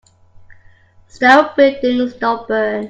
Stone buildings don't burn.